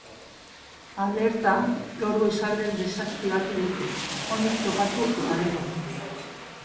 Alerta gaur goizaldean desaktibatu dute, onik topatu eta gero.